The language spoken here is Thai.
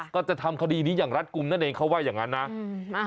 ก็จะทำคดีนี้อย่างรัฐกลุ่มนั่นเองเขาว่าอย่างนั้นนะ